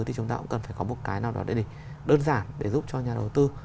thì chúng ta cũng cần phải có một cái nào đó để đơn giản để giúp cho nhà đầu tư